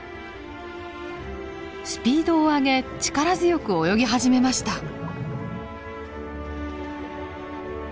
スピードを上げ力強く泳ぎ始めました。